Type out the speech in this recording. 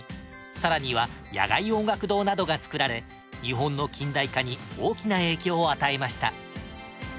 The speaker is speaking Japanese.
更には野外音楽堂などが造られ日本の近代化に大きな影響を与えました。